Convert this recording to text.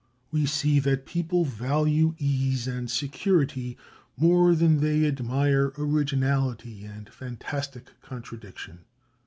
We see that people value ease and security, more than they admire originality and fantastic contradiction.